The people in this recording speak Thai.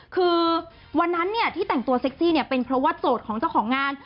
คือวันนั้นที่แต่งตัวเซ็กซี่เนี่ยเป็นเพราะว่าโจทย์ของเจ้าของงาน